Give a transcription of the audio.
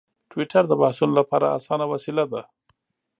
ټویټر د بحثونو لپاره اسانه وسیله ده.